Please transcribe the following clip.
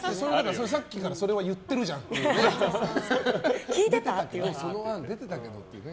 さっきからそれは言ってるじゃんっていうね。